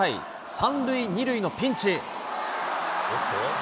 ３塁２塁のピンチ。